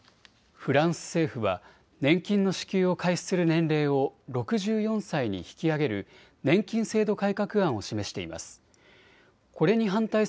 フランス政府は年金の支給を開始する年齢を６４歳に引き上げる年金制度改革案を示しています。